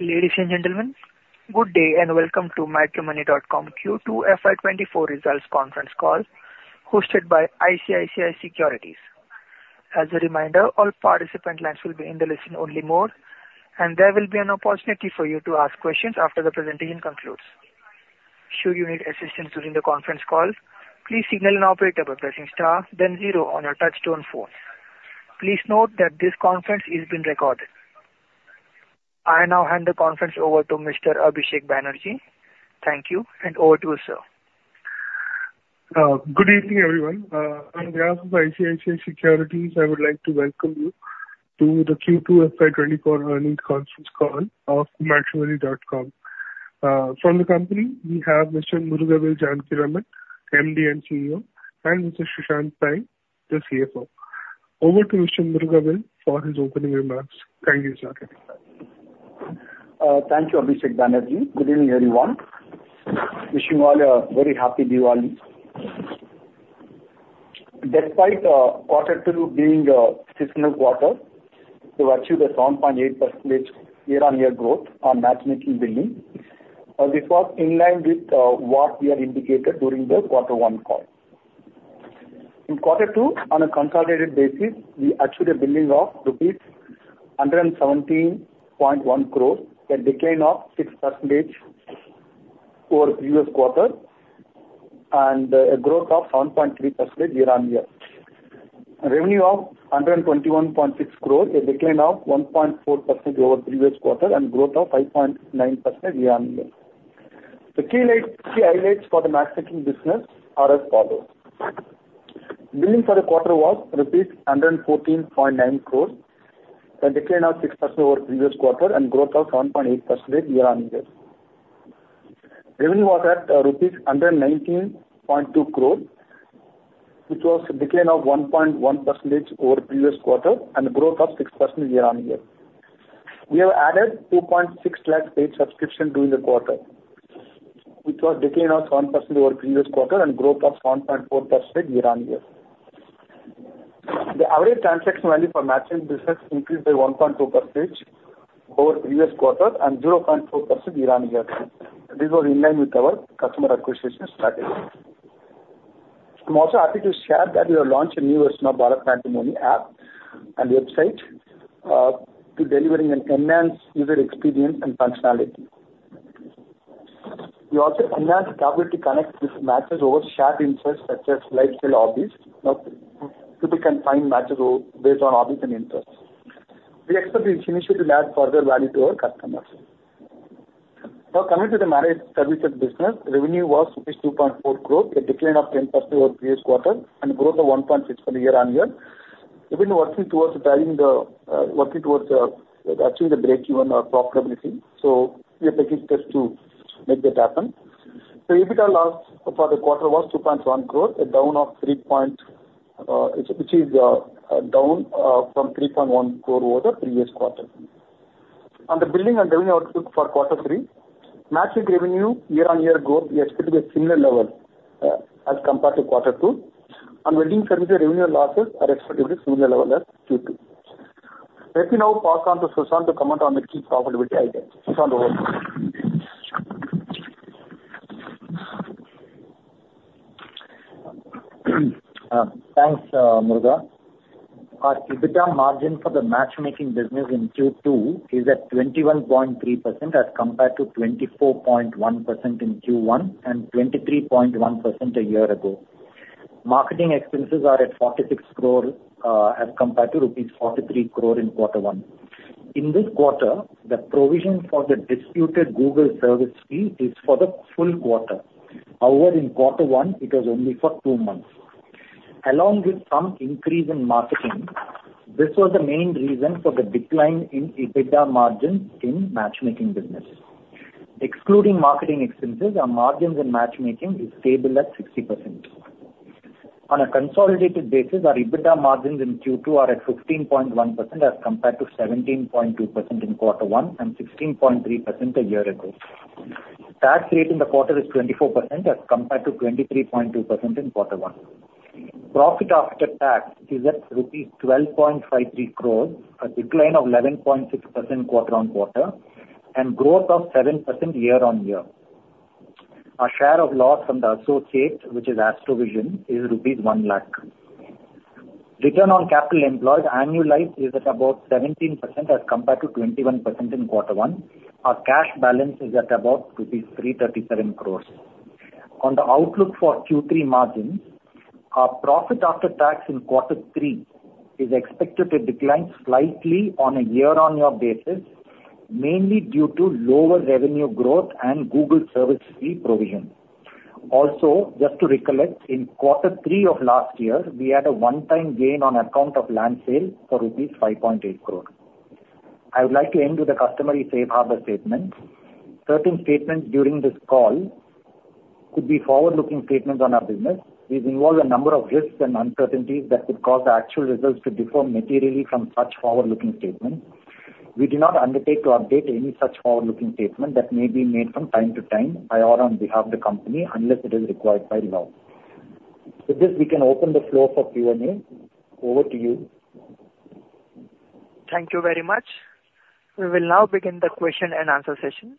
Ladies and gentlemen, good day, and welcome to Matrimony.com Q2 FY 2024 results conference call, hosted by ICICI Securities. As a reminder, all participant lines will be in the listen-only mode, and there will be an opportunity for you to ask questions after the presentation concludes. Should you need assistance during the conference call, please signal an operator by pressing star, then zero on your touchtone phone. Please note that this conference is being recorded. I now hand the conference over to Mr. Abhishek Banerjee. Thank you, and over to you, sir. Good evening, everyone. On behalf of ICICI Securities, I would like to welcome you to the Q2 FY 2024 earnings conference call of Matrimony.com. From the company, we have Mr. Murugavel Janakiraman, MD and CEO, and Mr. Sushanth Pai, the CFO. Over to Mr. Murugavel for his opening remarks. Thank you, sir. Thank you, Abhishek Banerjee. Good evening, everyone. Wishing you all a very happy Diwali. Despite quarter two being a seasonal quarter, we've achieved a 7.8% year-on-year growth on matchmaking billing, this was in line with what we had indicated during the quarter one call. In quarter two, on a consolidated basis, we achieved a billing of rupees 117.1 crores, a decline of 6% over previous quarter, and a growth of 1.3% year-on-year. Revenue of 121.6 crores, a decline of 1.4% over the previous quarter and growth of 5.9% year-on-year. The key highlights for the matchmaking business are as follows: Billing for the quarter was rupees 114.9 crores, a decline of 6% over the previous quarter and growth of 1.8% year-on-year. Revenue was at 119.2 crores rupees, which was a decline of 1.1% over the previous quarter and a growth of 6% year-on-year. We have added 260,000 paid subscription during the quarter, which was a decline of 1% over the previous quarter and growth of 1.4% year-on-year. The average transaction value for matchmaking business increased by 1.2% over the previous quarter and 0.4% year-on-year. This was in line with our customer acquisition strategy. I'm also happy to share that we have launched a new version of BharatMatrimony app and website to delivering an enhanced user experience and functionality. We also enhanced the ability to connect with matches over shared interests, such as lifestyle hobbies, now people can find matches based on hobbies and interests. We expect this initiative to add further value to our customers. Now, coming to the managed services business, revenue was 2.4 crores, a decline of 10% over the previous quarter and a growth of 1.6% year-on-year. We've been working towards driving the, actually the breakeven or profitability, so we are taking steps to make that happen. The EBITDA loss for the quarter was 2.1 crores, a down of 3.1, which is down from 3.1 crore over the previous quarter. On the billing and revenue outlook for quarter three, matchmaking revenue year-on-year growth we expect to be at similar level as compared to quarter two. On wedding services, revenue and losses are expected to be similar level as Q2. Let me now pass on to Sushanth to comment on the key profitability highlights. Sushanth over to you. Thanks, Muruga. Our EBITDA margin for the matchmaking business in Q2 is at 21.3% as compared to 24.1% in Q1 and 23.1% a year ago. Marketing expenses are at 46 crore as compared to rupees 43 crore in quarter one. In this quarter, the provision for the disputed Google service fee is for the full quarter. However, in quarter one, it was only for two months. Along with some increase in marketing, this was the main reason for the decline in EBITDA margins in matchmaking business. Excluding marketing expenses, our margins in matchmaking is stable at 60%. On a consolidated basis, our EBITDA margins in Q2 are at 15.1% as compared to 17.2% in quarter one, and 16.3% a year ago. Tax rate in the quarter is 24% as compared to 23.2% in quarter one. Profit after tax is at rupees 12.53 crores, a decline of 11.6% quarter-on-quarter, and growth of 7% year-on-year. Our share of loss from the associate, which is Astro-Vision, is rupees 1 lakh. Return on capital employed annualized is at about 17% as compared to 21% in quarter one. Our cash balance is at about rupees 337 crores. On the outlook for Q3 margins, our profit after tax in quarter three is expected to decline slightly on a year-on-year basis, mainly due to lower revenue growth and Google service fee provision. Also, just to recollect, in quarter three of last year, we had a one-time gain on account of land sale for rupees 5.8 crore. I would like to end with a customary safe harbor statement. Certain statements during this call could be forward-looking statements on our business. These involve a number of risks and uncertainties that could cause the actual results to differ materially from such forward-looking statements. We do not undertake to update any such forward-looking statements that may be made from time to time by or on behalf of the company, unless it is required by law. With this, we can open the floor for Q&A. Over to you. Thank you very much. We will now begin the question and answer session.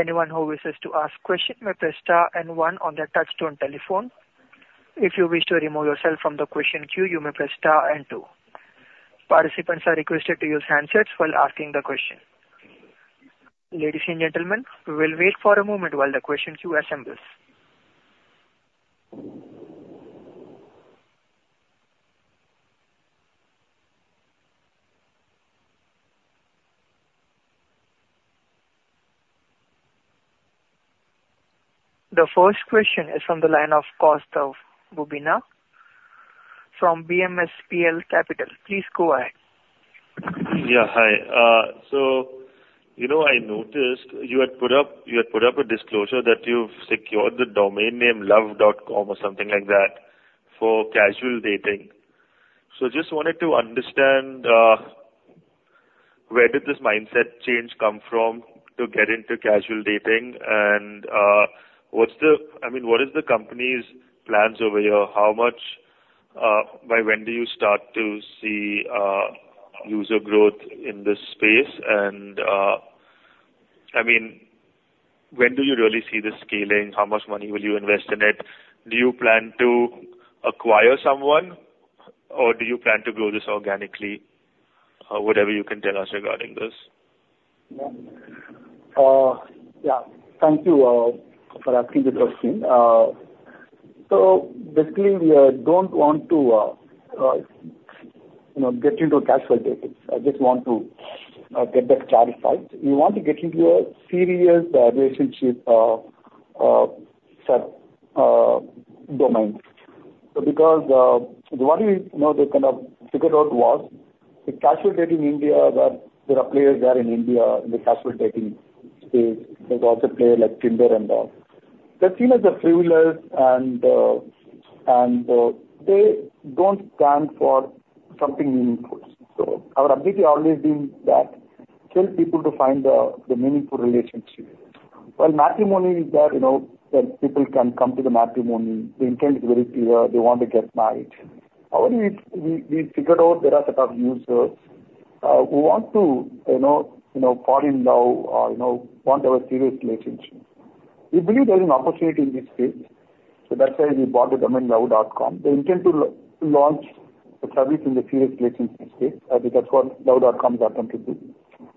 Anyone who wishes to ask question may press star and one on their touchtone telephone. If you wish to remove yourself from the question queue, you may press star and two. Participants are requested to use handsets while asking the question. Ladies and gentlemen, we will wait for a moment while the question queue assembles. The first question is from the line of Kaustav Bubna from BMSPL Capital. Please go ahead. Yeah, hi. So, you know, I noticed you had put up, you had put up a disclosure that you've secured the domain name love.com, or something like that, for casual dating. So just wanted to understand where did this mindset change come from to get into casual dating? And, what's the... I mean, what is the company's plans over here? How much, by when do you start to see user growth in this space? And, I mean, when do you really see the scaling? How much money will you invest in it? Do you plan to acquire someone, or do you plan to grow this organically? Whatever you can tell us regarding this. Yeah, thank you for asking the question. So basically, we don't want to, you know, get into casual dating. I just want to get that clarified. We want to get into a serious relationship set domain. So because what we, you know, we kind of figured out was, the casual date in India, that there are players there in India, in the casual dating space. There's also player like Tinder and all. They're seen as a frivolous and, and they don't stand for something meaningful. So our ability always been that tell people to find the meaningful relationship. While matrimony is there, you know, then people can come to the matrimony. The intent is very clear, they want to get married. However, we figured out there are set of users who want to, you know, fall in love or, you know, want to have a serious relationship. We believe there is an opportunity in this space, so that's why we bought the domain love.com. The intent to launch the service in the serious relationship space, that's what love.com is attempting to do.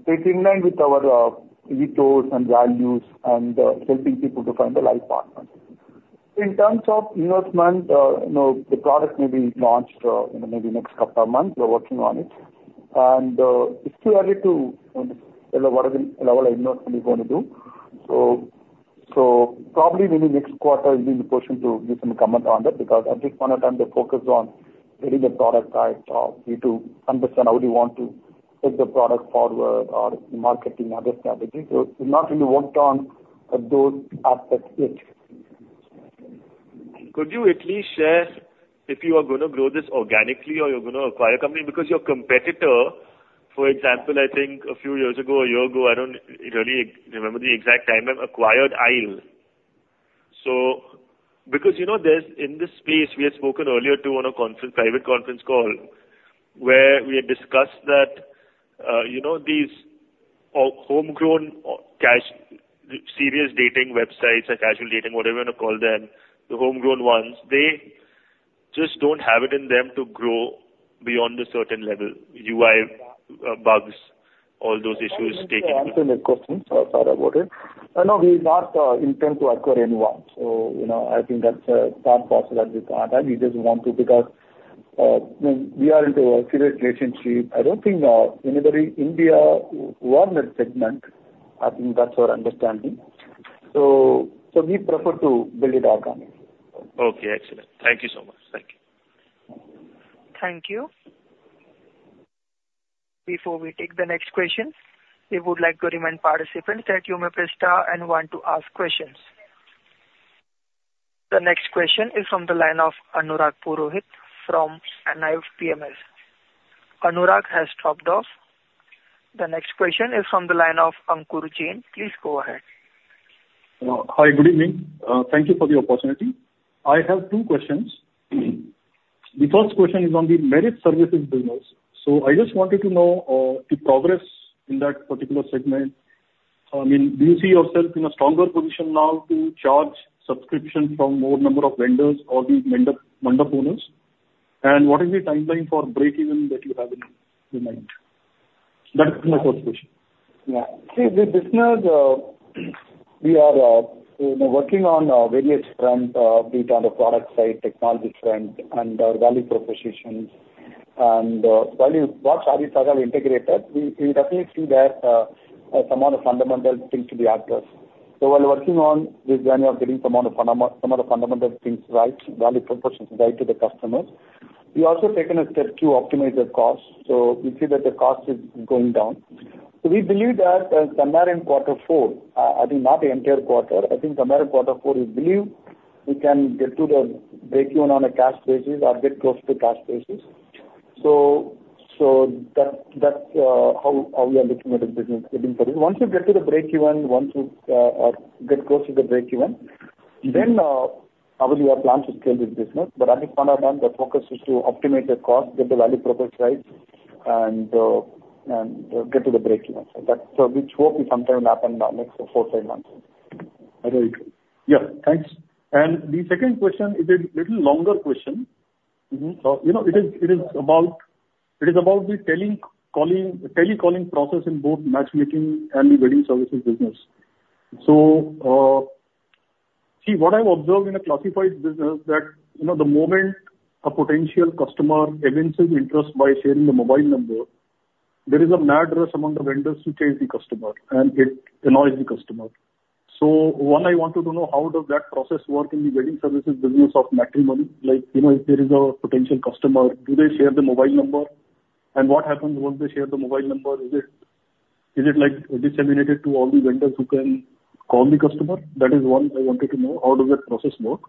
It's in line with our ethos and values and helping people to find their life partner. In terms of investment, you know, the product may be launched, you know, maybe next couple of months. We're working on it. And, it's too early to, you know, what are the level of investment we're going to do. So, so probably maybe next quarter will be the question to give some comment on that, because at this point of time, the focus on getting the product right, we to understand how do you want to take the product forward or marketing, other strategies. So we've not really worked on those aspects yet. Could you at least share if you are gonna grow this organically or you're gonna acquire company? Because your competitor, for example, I think a few years ago, a year ago, I don't really remember the exact time, have acquired Aisle. So because, you know, there's... In this space, we had spoken earlier, too, on a private conference call, where we had discussed that, you know, these homegrown casual serious dating websites or casual dating, whatever you want to call them, the homegrown ones, they just don't have it in them to grow beyond a certain level. UI bugs, all those issues take it. Answer the question. So sorry about it. No, we not intend to acquire anyone. So, you know, I think that's not possible at this time. We just want to, because, you know, we are into a serious relationship. I don't think anybody India who are in that segment, I think that's our understanding. So, we prefer to build it organically. Okay, excellent. Thank you so much. Thank you. Thank you. Before we take the next question, we would like to remind participants that you may press star and one to ask questions. The next question is from the line of Anurag Purohit from Anived PMS. Anurag has dropped off. The next question is from the line of Ankur Jain. Please go ahead. Hi, good evening. Thank you for the opportunity. I have two questions. The first question is on the marriage services business. So I just wanted to know, the progress in that particular segment. I mean, do you see yourself in a stronger position now to charge subscription from more number of vendors or the mandap, mandap owners? And what is the timeline for break even that you have in mind? That's my first question. Yeah. See, the business, we are, you know, working on various front, be it on the product side, technology front, and our value propositions. And, while you... What ShaadiSaga have integrated, we, we definitely see that, some of the fundamental things to be addressed. So while working on this journey of getting some of the fundamental things right, value propositions right to the customers, we also taken a step to optimize the cost. So we see that the cost is going down. So we believe that, somewhere in quarter four, I think not the entire quarter, I think somewhere in quarter four, we believe we can get to the break even on a cash basis or get close to cash basis. So, so that, that's, how, how we are looking at the business moving forward. Once you get to the breakeven, once you get close to the breakeven, then obviously you have plans to scale this business. But at this point of time, the focus is to optimize the cost, get the value proposition right, and get to the breakeven. So that's which hope will sometime happen in the next four to five months. I agree. Yeah, thanks. The second question is a little longer question. Mm-hmm. You know, it is about the telecalling process in both matchmaking and the wedding services business. So, see, what I've observed in a classified business that, you know, the moment a potential customer evinces interest by sharing the mobile number, there is a mad rush among the vendors to chase the customer, and it annoys the customer. So one, I wanted to know, how does that process work in the wedding services business of Matrimony? Like, you know, if there is a potential customer, do they share the mobile number? And what happens once they share the mobile number? Is it, like, disseminated to all the vendors who can call the customer? That is one I wanted to know, how does that process work?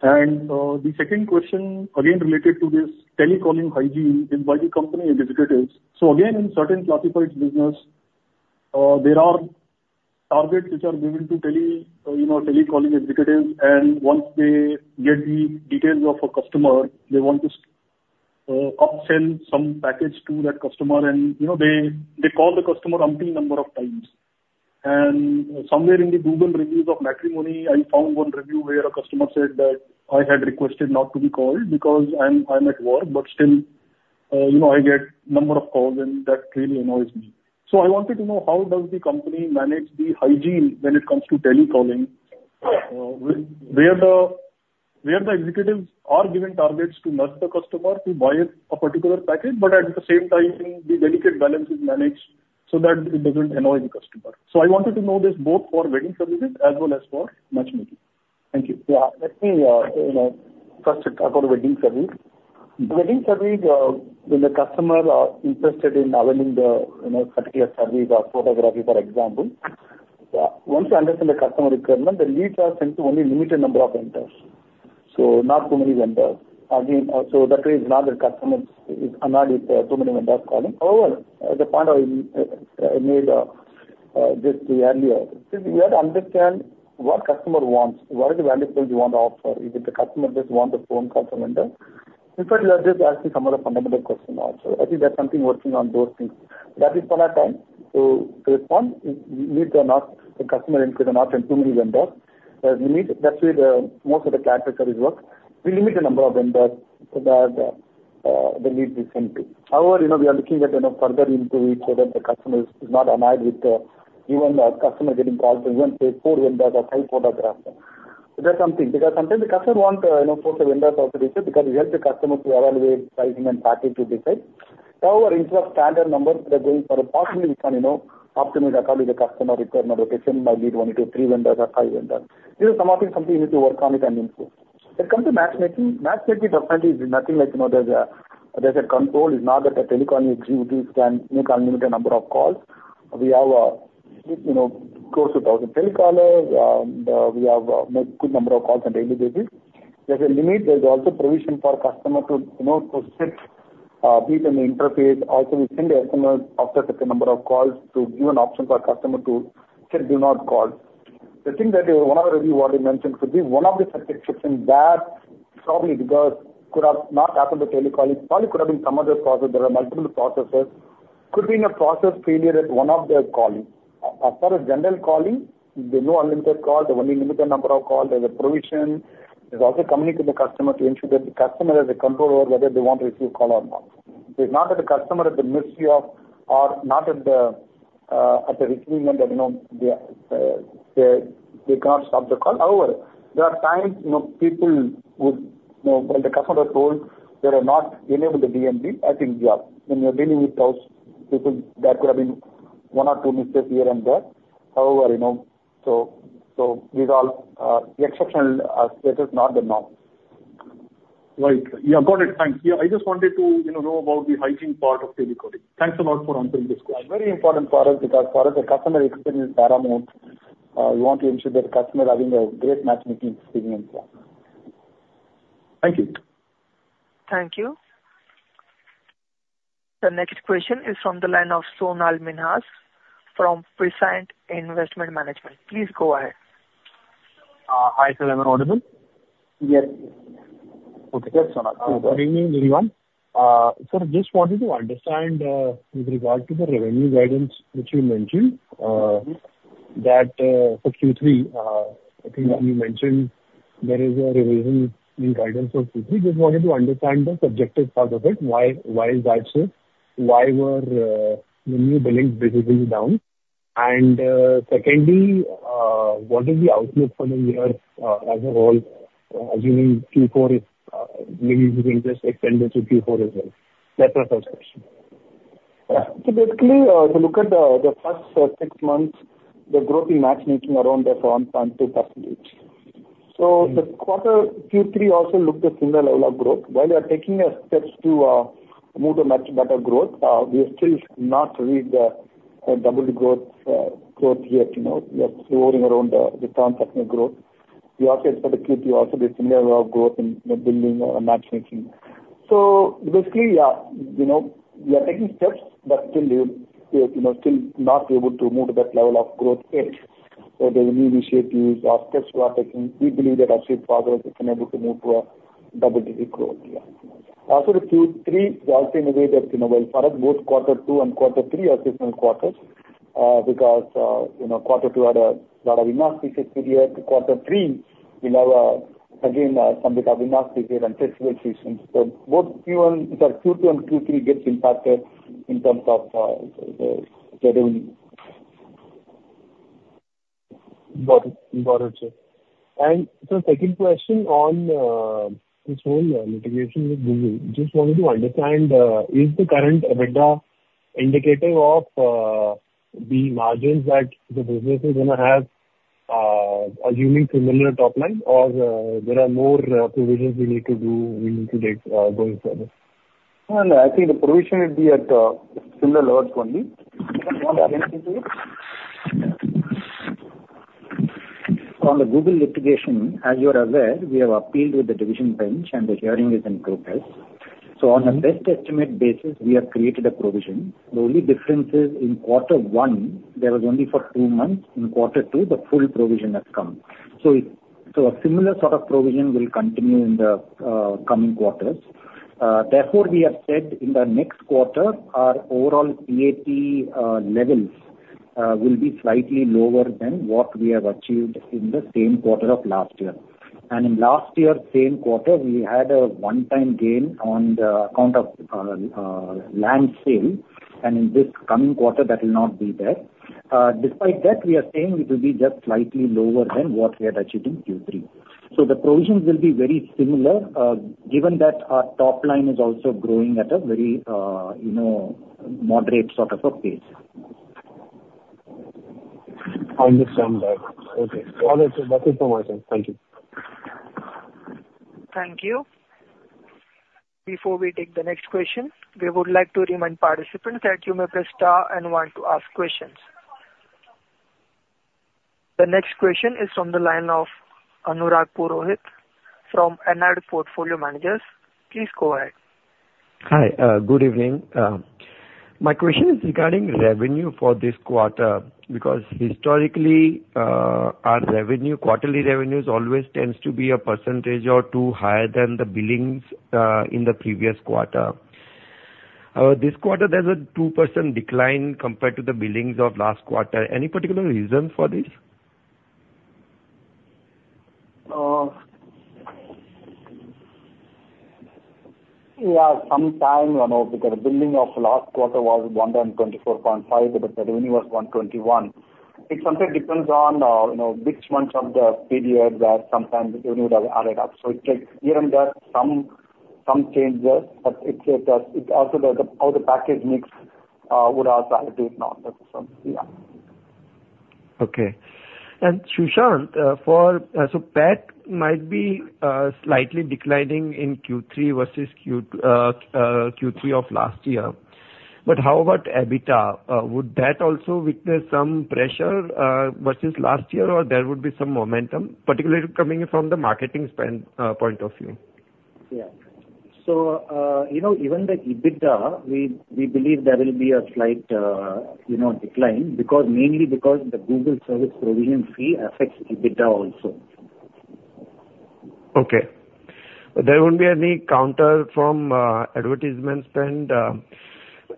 And, the second question, again, related to this telecalling hygiene is, why the company executives... So again, in certain classified business, there are targets which are given to telecalling executives, and once they get the details of a customer, they want to upsell some package to that customer. And, you know, they call the customer umpteen number of times. And somewhere in the Google reviews of Matrimony, I found one review where a customer said that, "I had requested not to be called because I'm at work, but still, you know, I get number of calls, and that really annoys me." So I wanted to know, how does the company manage the hygiene when it comes to telecalling, where the executives are given targets to nudge the customer to buy a particular package, but at the same time, the delicate balance is managed so that it doesn't annoy the customer? So I wanted to know this both for wedding services as well as for matchmaking. Thank you. Yeah. Let me, you know, first talk about wedding service. Mm-hmm. Wedding service, when the customer are interested in availing the, you know, particular service or photography, for example, once you understand the customer requirement, the leads are sent to only limited number of vendors, so not too many vendors. Again, so that way, now the customer is annoyed with too many vendors calling. However, the point I made just earlier is we have to understand what customer wants, what are the value points you want to offer. If the customer does want the phone call from vendor. In fact, you are just asking some of the fundamental question also. I think there's something working on those things. That is point of time to respond. The customer needs are not in too many vendors. We need, that's where the most of the character service work. We limit the number of vendors that, the lead is sent to. However, you know, we are looking at, you know, further into it, so that the customer is, is not annoyed with, even the customer getting called to even say four vendors or five photographers. So that's something, because sometimes the customer want, you know, four, five vendors also, because we help the customer to evaluate pricing and package to decide. However, instead of standard numbers, we are going for possibly can, you know, optimize according to the customer requirement. Location might need one, two, three vendors or five vendors. These are some of the things, something we need to work on it and improve. When it comes to matchmaking, matchmaking definitely is nothing like, you know, there's a, there's a control. It's not that a telecalling executive can make unlimited number of calls. We have, you know, close to 1,000 telecallers. We have, make good number of calls on a daily basis. There's a limit. There's also provision for customer to, you know, to set, DND interface. Also, we send an SMS after certain number of calls to give an option for our customer to say, "Do not call." The thing that, one of the review already mentioned, could be one of the subject fixing that probably because could have not happened with telecalling, probably could have been some other process. There are multiple processes. Could be in a process failure at one of the calling. As per a general calling, there's no unlimited call. There's only limited number of call. There's a provision. There's also communication to the customer to ensure that the customer has a control over whether they want to receive call or not. It's not that the customer is at the mercy of, or not at the receiving end, and, you know, they cannot stop the call. However, there are times, you know, people would, you know, when the customer told they were not enabled the DND, I think they are. When you're dealing with those people, that could have been one or two mistakes here and there. However, you know, so these are the exceptional cases, not the norm. Right. Yeah, got it. Thanks. Yeah, I just wanted to, you know, know about the hygiene part of telecalling. Thanks a lot for answering this question. Very important for us, because for us, the customer experience paramount. We want to ensure that the customer are having a great matchmaking experience. Yeah. Thank you. Thank you. The next question is from the line of Sonal Minhas from Prescient Investment Management. Please go ahead. Hi, sir. Am I audible? Yes. Okay. Yes, Sonal. Go ahead. Good evening, everyone. I just wanted to understand, with regard to the revenue guidance, which you mentioned, Mm-hmm. That, for Q3, I think you mentioned there is a revision in guidance for Q3. Just wanted to understand the subjective part of it. Why, why is that so? Why were the new billings visibly down? And, secondly, what is the outlook for the year, as a whole, assuming Q4 is, maybe you can just extend it to Q4 as well? That was the first question. Yeah. So basically, if you look at the first six months, the growth in matchmaking around the four and five to six. Mm-hmm. So the quarter Q3 also looked a similar level of growth. While we are taking steps to move to much better growth, we are still not reached the double growth yet, you know? We are seeing around the 10% growth. We also expect that there will also be a similar growth in the billing or matchmaking. So basically, yeah, you know, we are taking steps, but still, we, you know, still not able to move to that level of growth yet. So there are new initiatives or steps we are taking. We believe that as we progress, we've been able to move to a double-digit growth. Yeah. Also, the Q3, we also indicate that, you know, well, for us, both quarter two and quarter three are seasonal quarters, because, you know, quarter two had a lot of inauspicious period. Quarter three will have, again, some bit of and festival seasons. So both Q1, sorry, Q2 and Q3 gets impacted in terms of the revenue. Got it. Got it, sir. And the second question on this whole litigation with Google. Just wanted to understand, is the current EBITDA indicative of the margins that the business is going to have, assuming similar top line, or there are more provisions we need to do, we need to take going further? Well, I think the provision will be at, similar levels only. You want to add anything to it? On the Google litigation, as you are aware, we have appealed with the division bench, and the hearing is in progress. So on a best estimate basis, we have created a provision. The only difference is in quarter one, there was only for two months. In quarter two, the full provision has come. So a similar sort of provision will continue in the coming quarters. Therefore, we have said in the next quarter, our overall PAT levels will be slightly lower than what we have achieved in the same quarter of last year. And in last year, same quarter, we had a one-time gain on the account of land sale, and in this coming quarter, that will not be there. Despite that, we are saying it will be just slightly lower than what we had achieved in Q3. The provisions will be very similar, given that our top line is also growing at a very, you know, moderate sort of a pace. I understand that. Okay. All right, sir. That's it from my side. Thank you. Thank you. Before we take the next question, we would like to remind participants that you may press star and one to ask questions. The next question is from the line of Anurag Purohit from Anived Portfolio Managers. Please go ahead. Hi, good evening. My question is regarding revenue for this quarter, because historically, our revenue, quarterly revenues always tends to be a percentage or two higher than the billings in the previous quarter. This quarter, there's a 2% decline compared to the billings of last quarter. Any particular reason for this? Yeah, sometimes, you know, because the billing of last quarter was 124.5, but the revenue was 121. It sometimes depends on, you know, which months of the period that sometimes the revenue has added up. So it takes here and there some changes, but it's also how the package mix would also have to do with it now. That is some, yeah. Okay. And Sushanth, so PAT might be slightly declining in Q3 versus Q3 of last year, but how about EBITDA? Would that also witness some pressure versus last year, or there would be some momentum, particularly coming from the marketing spend point of view? Yeah. So, you know, even the EBITDA, we believe there will be a slight, you know, decline, because mainly because the Google service provision fee affects EBITDA also. Okay. There won't be any counter from advertisement spend?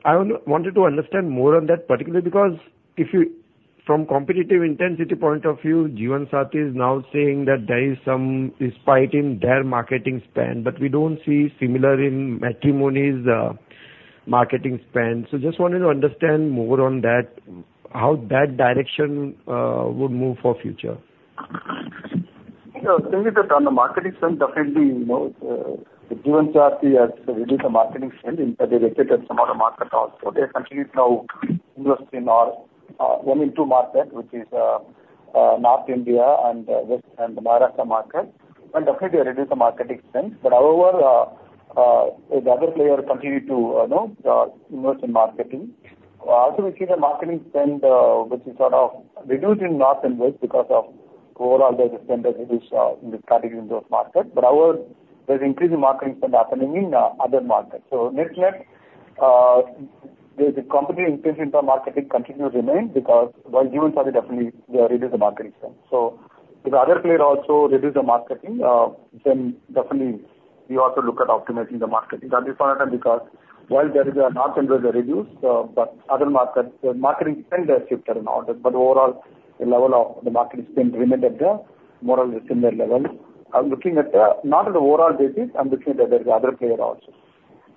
I wanted to understand more on that, particularly because if you... From competitive intensity point of view, Jeevansathi is now saying that there is some respite in their marketing spend, but we don't see similar in Matrimony's marketing spend. So just wanted to understand more on that, how that direction would move for future. You know, the thing is that on the marketing spend, definitely, you know, the Jeevansathi has reduced the marketing spend, and they entered some other market also. They continue to now invest in one and two market, which is North India and West and Maharashtra market, and definitely reduce the marketing spend. But however, the other players continue to, you know, invest in marketing. Also we see the marketing spend, which is sort of reduced in North and West because of overall the spend that it is in the category of those markets. But however, there's increasing marketing spend happening in other markets. So net-net, the competitive intensity into marketing continues to remain, because while Jeevansathi definitely reduce the marketing spend. So if the other player also reduce the marketing, then definitely we also look at optimizing the marketing. That is one because while there is a north and west reduce, but other markets, the marketing spend has shifted in order, but overall, the level of the marketing spend remained at the more or less similar level. I'm looking at, not at the overall basis, I'm looking at the other player also.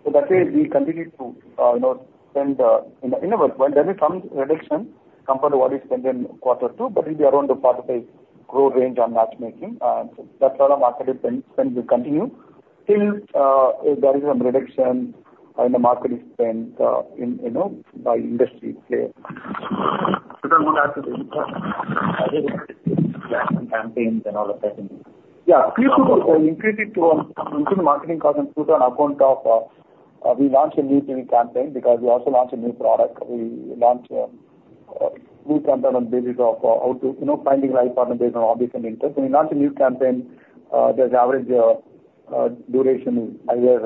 So that's why we continue to, you know, spend, in the... Anyway, well, there is some reduction compared to what is spent in quarter two, but it'll be around the growth range on matchmaking. So that's how the marketing spend, spend will continue till, if there is some reduction in the marketing spend, in, you know, by industry player. So then what happened in campaigns and all of that? Yeah, people increased it to increase the marketing cost and put on account of we launched a new TV campaign because we also launched a new product. We launched new campaign on basis of how to, you know, finding right partner based on hobbies and interest. And in not a new campaign, there's average duration is higher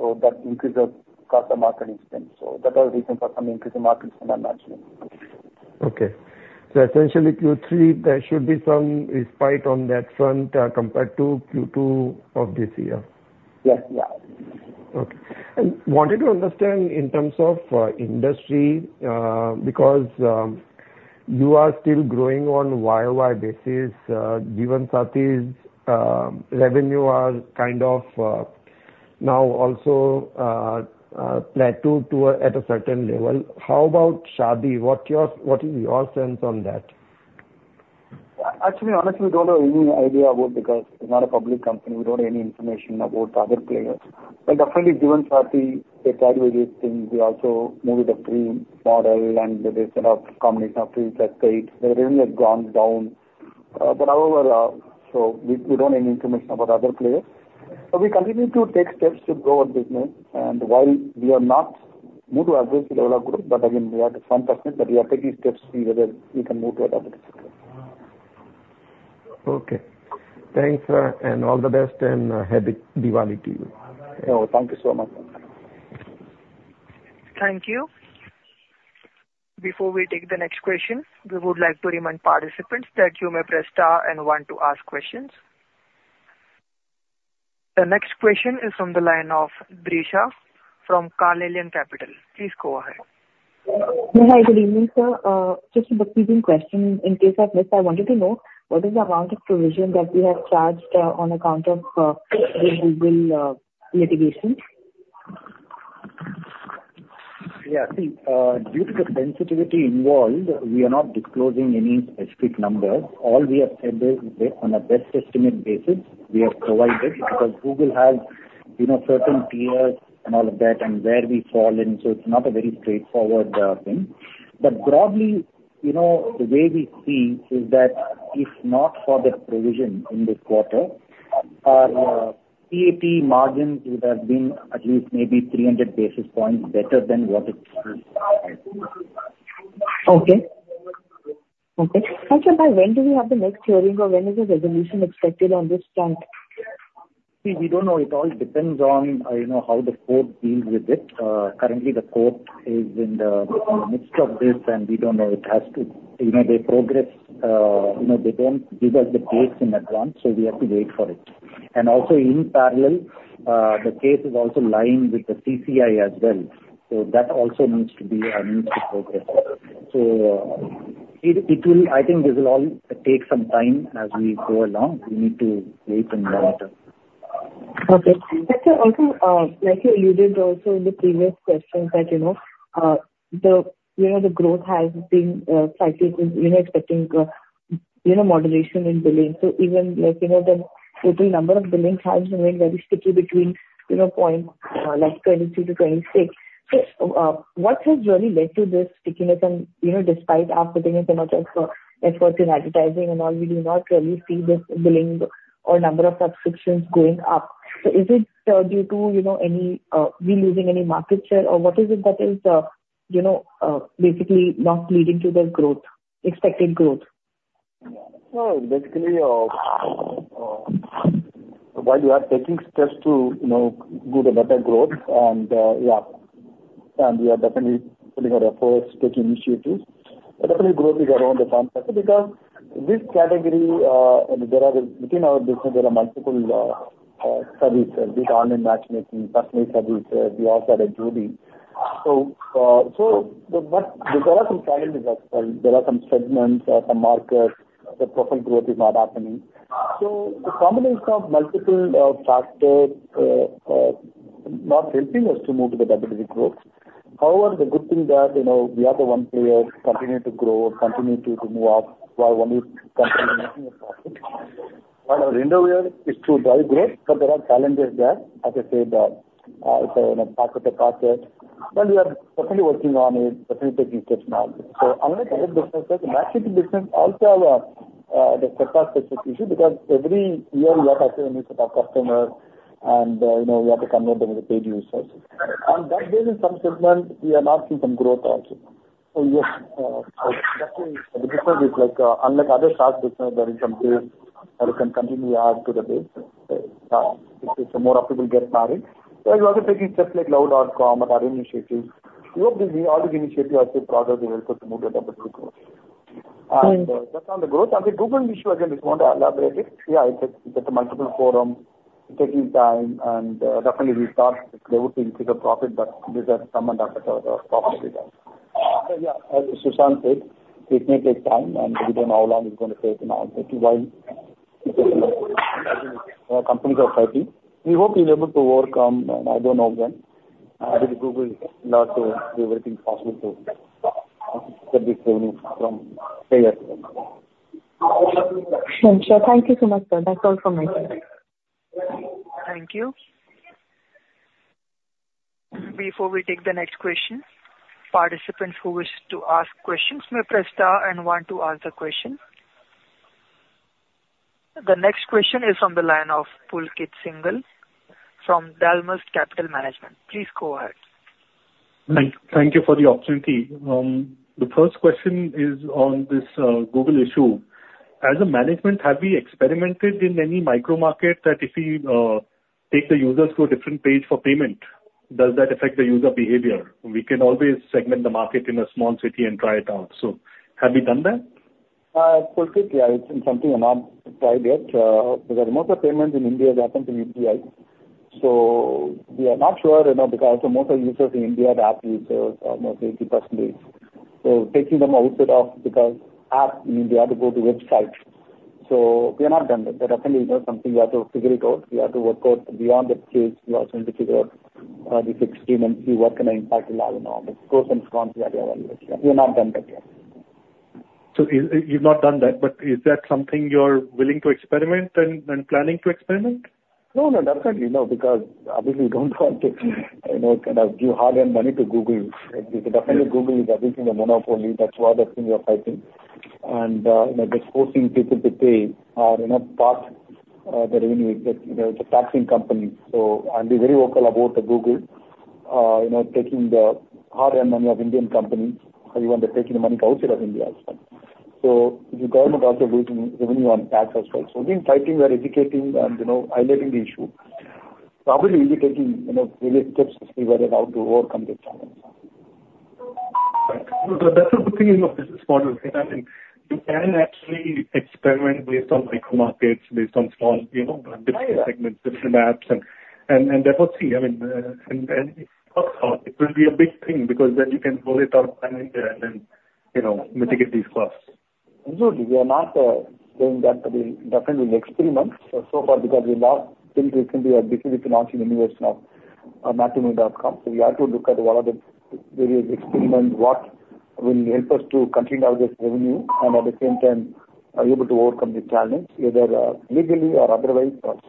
so that increases cost of marketing spend. So that are reason for some increase in marketing spend, I'm assuming. Okay. So essentially, Q3, there should be some respite on that front, compared to Q2 of this year? Yes. Yeah. Okay. Wanted to understand in terms of industry, because you are still growing on YoY basis, given Jeevansathi's revenue are kind of now also plateau to a at a certain level. How about Shaadi? What is your sense on that? Actually, honestly, we don't have any idea about, because it's not a public company, we don't have any information about the other players. But definitely, given Jeevansathi, they graduated, and we also moved the free model, and there is sort of combination of things that paid. The revenue has gone down. But however, so we, we don't have any information about other players. So we continue to take steps to grow our business, and while we are not moved to aggressive growth, but again, we are some percent, but we are taking steps to see whether we can move to that aggressive growth. Okay. Thanks, and all the best, and happy Diwali to you. Oh, thank you so much. Thank you. Before we take the next question, we would like to remind participants that you may press star and one to ask questions. The next question is from the line of Rishabh from Carnelian Capital. Please go ahead. Yeah. Hi, good evening, sir. Just a few quick question. In case I've missed, I wanted to know what is the amount of provision that we have charged on account of the Google litigation? Yeah. See, due to the sensitivity involved, we are not disclosing any specific numbers. All we have said is, on a best estimate basis, we have provided, because Google has, you know, certain tiers and all of that, and where we fall in, so it's not a very straightforward thing. But broadly, you know, the way we see is that if not for the provision in this quarter, our PAT margins would have been at least maybe 300 basis points better than what it is. Okay. Okay. Also, by when do we have the next hearing or when is the resolution expected on this front? We don't know. It all depends on, you know, how the court deals with it. Currently, the court is in the midst of this, and we don't know. It has to... You know, they progress, you know, they don't give us the dates in advance, so we have to wait for it. And also, in parallel, the case is also lying with the CCI as well, so that also needs to be, needs to progress. So, it will, I think this will all take some time as we go along. We need to wait and monitor. Okay. But, sir, also, like you alluded also in the previous question, that, you know, the, you know, the growth has been, cyclical. We're expecting, you know, moderation in billing. So even like, you know, the total number of billings has been going very sticky between, you know, like 22-26. So, what has really led to this stickiness and, you know, despite our putting in so much of, efforts in advertising and all, we do not really see this billing or number of subscriptions going up. So is it, due to, you know, any, we losing any market share, or what is it that is, you know, basically not leading to the growth, expected growth? No, basically, while we are taking steps to, you know, do the better growth and, yeah, and we are definitely putting our efforts, taking initiatives. But definitely growth is around the in this category, there are, between our business, there are multiple, services, be it online matchmaking, personal services, we also have a Jodii. So, but there are some challenges as well. There are some segments or some markets, the proper growth is not happening. So the combination of multiple, factors, not helping us to move to the double-digit growth. However, the good thing that, you know, we are the one player continuing to grow, continuing to move up, while only continuing profit. What our window here is to drive growth, but there are challenges there, as I said, so in a part of the project. But we are definitely working on it, definitely taking steps now. So unlike other businesses, the matchmaking business also have a, the separate specific issue, because every year we have, a new set of customers, and, you know, we have to convert them into paid users. On that basis, some segments we are not seeing some growth also. So yes, definitely the difference is like, unlike other SaaS business, there is some place that we can continue to add to the base. So more people get married. So we're also taking steps like love.com and other initiatives. We hope these, all these initiatives are still in progress and will help us to move to double-digit growth. Mm-hmm. That's on the growth. The Google issue, again, just want to elaborate it. Yeah, it's a multiple forum, taking time, and definitely we thought they would increase the profit, but these are some of the problems with that. Yeah, as Sushanth said, it may take time, and we don't know how long it's gonna take now. But while companies are fighting, we hope we're able to overcome another problem. With Google, not to do everything possible to get this revenue from previous year. Sure. Thank you so much, sir. That's all from my side. Thank you. Before we take the next question, participants who wish to ask questions may press star and one to ask the question. The next question is on the line of Pulkit Singhal from Dalmus Capital Management. Please go ahead. Thank you for the opportunity. The first question is on this Google issue. As a management, have we experimented in any micro market that if we take the users to a different page for payment, does that affect the user behavior? We can always segment the market in a small city and try it out. So have we done that? Pulkit, yeah, it's something we've not tried yet, because most of the payments in India is happening in UPI. So we are not sure, you know, because most of the users in India are app users, are mostly 80% users. So taking them outside of the app mean they have to go to website. So we have not done that. But definitely, you know, something we have to figure it out. We have to work out beyond the case, we also need to figure out, the fixed payment, see what kind of impact it will have, you know, but pros and cons, we have to evaluate. We have not done that yet. So you've not done that, but is that something you're willing to experiment and planning to experiment? No, no, definitely no, because obviously we don't want to, you know, kind of give hard-earned money to Google. Definitely, Google is everything, a monopoly. That's why they think we are fighting. And, you know, just forcing people to pay, you know, part, the revenue. It, you know, it's a taxing company, so I'll be very vocal about the Google, you know, taking the hard-earned money of Indian companies, and even they're taking the money outside of India as well. So the government also losing revenue on tax as well. So we've been fighting, we're educating and, you know, highlighting the issue. Probably, we will be taking, you know, related steps as we were about to overcome the challenge. Right. So that's the good thing in your business model, because, I mean, you can actually experiment based on micro markets, based on small, you know, different segments Right. Different apps and therefore, see, I mean, and first of all, it will be a big thing because then you can roll it out in India and then, you know, mitigate these costs. Absolutely. We are not doing that, but we definitely will experiment so far because we've not built recently a significant launch, a new version of Matrimony.com. So we have to look at what are the various experiments, what will help us to continue our revenue, and at the same time, are able to overcome the challenge, either legally or otherwise, also.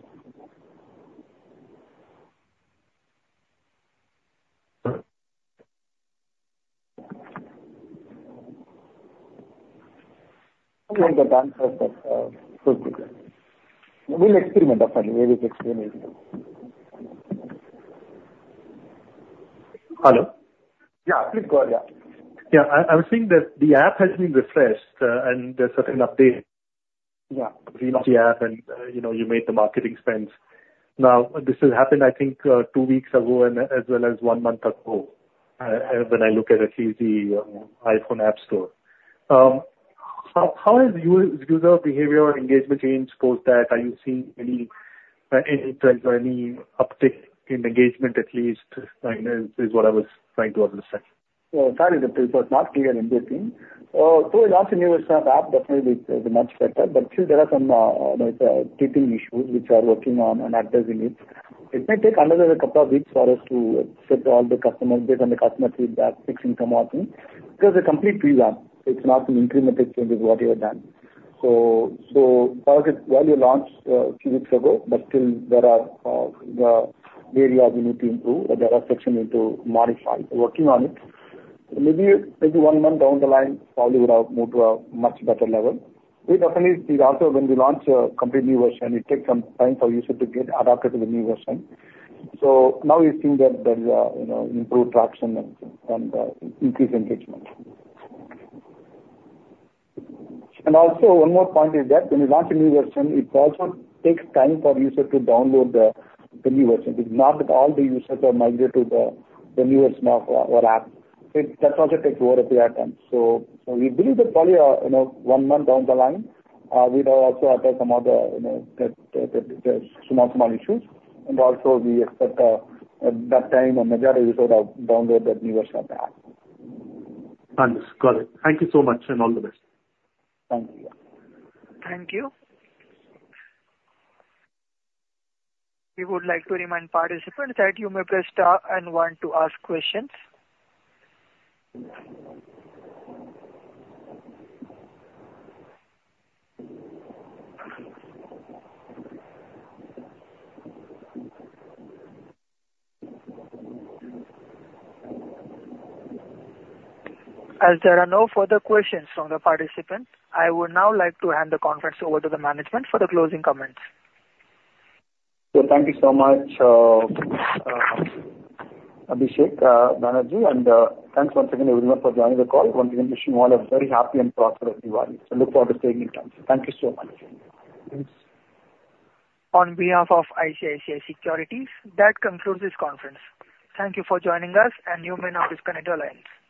I like the answers of Pulkit. We'll experiment, definitely, various experiment. Hello? Yeah. Please go, yeah. Yeah, I was seeing that the app has been refreshed, and there's certain update. Yeah. You launched the app and, you know, you made the marketing spends. Now, this has happened, I think, two weeks ago and as well as one month ago, when I look at least the iPhone app store. How is user behavior or engagement post that? Are you seeing any trends or any uptick in engagement at least? I know is what I was trying to understand. Fairly good, but not clear in this team. So we launched a new version of app, definitely is, is much better, but still there are some, you know, keeping issues which are working on and addressing it. It may take another couple of weeks for us to set all the customers, based on the customer feedback, fixing some of them. Because a complete revamp, it's not an incremental change is what we have done. So, so project value launched, few weeks ago, but still there are, areas we need to improve or there are section we need to modify. We're working on it. Maybe, maybe one month down the line, probably would have moved to a much better level. We definitely need also when we launch a complete new version, it takes some time for user to get adapted to the new version. So now we're seeing that there is, you know, improved traction and, and, increased engagement. And also one more point is that when you launch a new version, it also takes time for user to download the new version. It's not that all the users are migrated to the newest app. That also takes more of their time. So we believe that probably, you know, one month down the line, we've also addressed some of the, you know, the small, small issues. And also we expect, at that time, a majority of users have downloaded that new version of the app. Understood. Got it. Thank you so much, and all the best. Thank you. Thank you. We would like to remind participants that you may press star and one to ask questions. As there are no further questions from the participants, I would now like to hand the conference over to the management for the closing comments. Thank you so much, Abhishek Banerjee, and thanks once again, everyone, for joining the call. Once again, wishing you all a very happy and prosperous Diwali, and look forward to seeing you soon. Thank you so much. On behalf of ICICI Securities, that concludes this conference. Thank you for joining us, and you may now disconnect your lines.